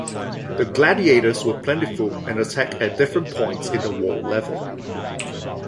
The gladiators were plentiful and attacked at different points in the wall level.